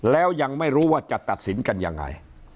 แล้วยังไม่รู้ว่าจะตัดสินกันยังไง